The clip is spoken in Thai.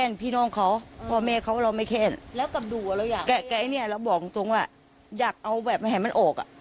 ติ๊ดได้ติ๊ดยาวไปเลย